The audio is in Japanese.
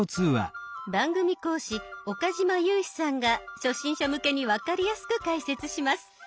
番組講師岡嶋裕史さんが初心者向けに分かりやすく解説します。